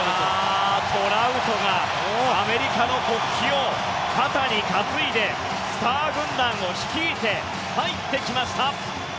トラウトがアメリカの国旗を肩に担いでスター軍団を率いて入ってきました。